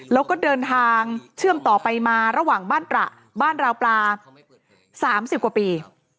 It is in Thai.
แล้วก็เดินทางเชื่อมต่อไปมาระหว่างบ้านตระบ้านราวปลา๓๐กว่าปี